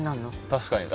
確かに。